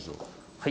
はい。